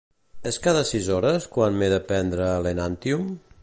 És cada sis hores quan m'he de prendre l'Enantyum?